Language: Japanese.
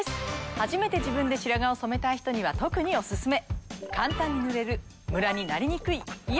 初めて自分で白髪を染めたい人には特にオススメ！